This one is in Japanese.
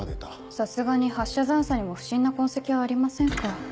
さすがに発射残渣にも不審な痕跡はありませんか。